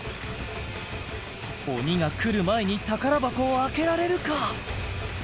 鬼が来る前に宝箱を開けられるか？